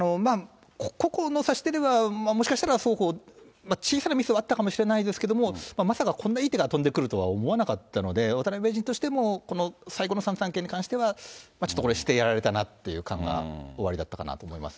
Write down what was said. ここの指し手では、もしかしたら双方、小さなミスはあったかもしれないですけど、まさかこんないい手が飛んでくるとは思わなかったので、渡辺名人としても、この最後の３三桂に関しては、ちょっとこれ、してやられたなという感がおありだったかなと思います。